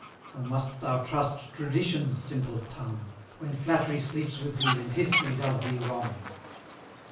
Or must thou trust Tradition's simple tongue, When Flattery sleeps with thee, and History does thee wrong?